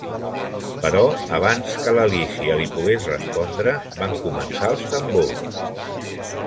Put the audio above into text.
Però abans que l'Alícia li pogués respondre, van començar els tambors.